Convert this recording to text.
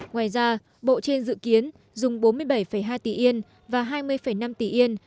ngoài ra bộ trên dự kiến dùng bốn mươi bảy hai tỷ yên và hai mươi năm tỷ yên